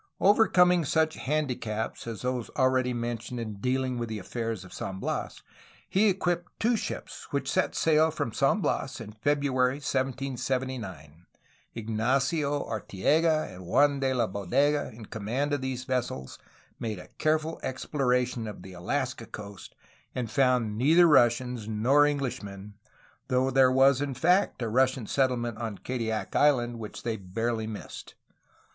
Overcoming such handicaps as those already men tioned in dealing with the affairs of San Bias, he equipped two ships, which set sail from San Bias in February 1779. Ignacio Arteaga and Juan de la Bodega, in command of these vessels, made a careful exploration of the Alaska coast, and found neither Russians nor Englishmen, though there was in fact a Russian settlement on Kadiak Island which they barely missed.